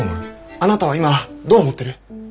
あなたは今どう思ってる？